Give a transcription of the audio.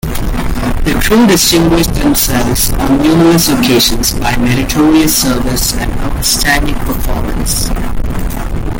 The crew distinguished themselves on numerous occasions by meritorious service and outstanding performance.